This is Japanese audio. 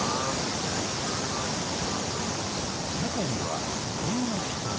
中にはこんな人も。